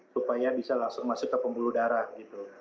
supaya bisa langsung masuk ke pembuluh darah gitu